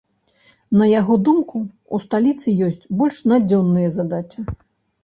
На яго думку, у сталіцы ёсць больш надзённыя задачы.